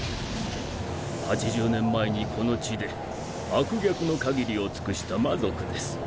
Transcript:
８０年前にこの地で悪逆の限りを尽くした魔族です。